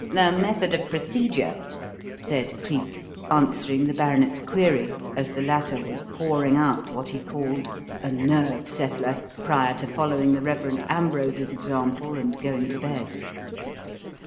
"The method of procedure?" said Cleek, answering the baronet's query as the latter was pouring out what he called "a nerve settler," prior to following the Rev. Ambrose's example and going to bed.